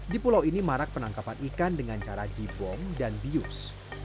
di pulau ini marak penangkapan ikan dengan cara dibom dan bius